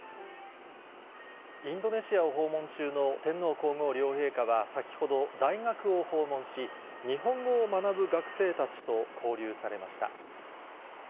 インドネシアを訪問中の天皇皇后両陛下は先ほど大学を訪問し、日本語を学ぶ学生たちと交流されました。